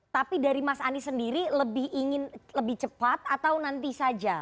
tapi dari mas anies sendiri lebih ingin lebih cepat atau nanti saja